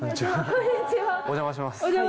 お邪魔します。